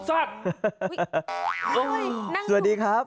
สวัสดีครับ